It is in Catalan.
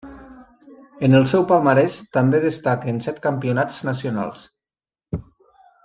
En el seu palmarès també destaquen set campionats nacionals.